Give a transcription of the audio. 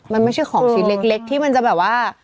มันไม่ใช่ของชิ้นเล็กที่มันจะแบบว่า